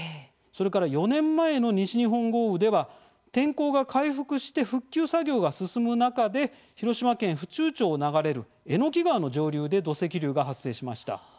それから４年前の西日本豪雨では天候が回復して、復旧作業が進む中で、広島県府中町を流れる榎川の上流で土石流が発生しました。